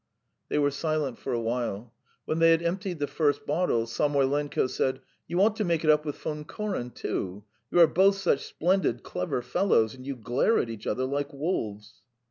They were silent for a while. When they had emptied the first bottle, Samoylenko said: "You ought to make it up with Von Koren too. You are both such splendid, clever fellows, and you glare at each other like wolves."